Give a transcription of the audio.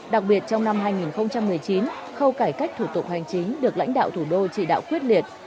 đặc biệt trong năm hai nghìn một mươi chín khâu cải cách thủ tục hành chính được lãnh đạo thủ đô chỉ đạo quyết liệt